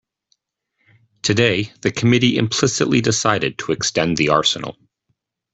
Today the committee implicitly decided to extend the arsenal.